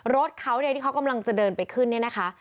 รถเขาเนี่ยที่เขากำลังจะเดินไปขึ้นเนี่ยนะคะ